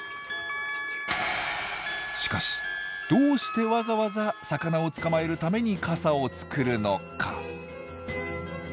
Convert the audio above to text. しかしどうしてわざわざ魚を捕まえるために傘を作るのか？